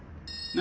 何？